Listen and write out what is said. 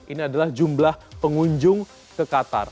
ini adalah jumlah pengunjung ke qatar